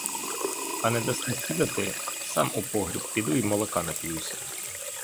А не дасте снідати, сам у погріб піду й молока нап'юся.